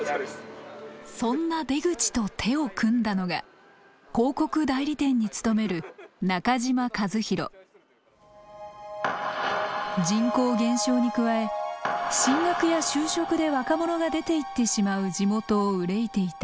そんな出口と手を組んだのが人口減少に加え進学や就職で若者が出ていってしまう地元を憂いていた。